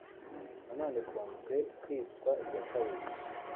na none ikunzwe kwitwa iya kabiri